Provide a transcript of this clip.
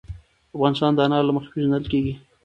افغانستان د انار له مخې پېژندل کېږي.